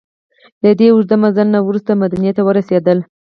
له دې اوږده مزل نه وروسته مدینې ته ورسېدل.